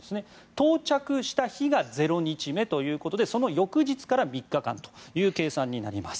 到着した日が０日目ということでその翌日から３日間という計算になります。